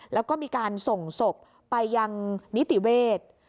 แล้วก็มีการส่งศพไปยังนิติเวทย์